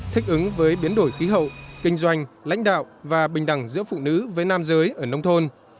thích ứng với biến đổi khí hậu kinh doanh lãnh đạo và bình đẳng giữa phụ nữ với nam giới ở nông thôn